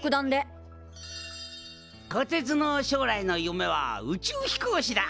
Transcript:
こてつの将来の夢は宇宙飛行士だ！